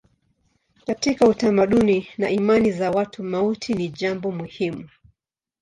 Katika utamaduni na imani za watu mauti ni jambo muhimu.